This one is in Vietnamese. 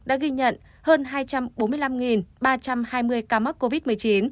đã ghi nhận hơn hai trăm bốn mươi năm ba trăm hai mươi ca mắc covid một mươi chín